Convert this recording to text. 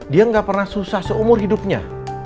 dia nggak pernah susah seumur hidupnya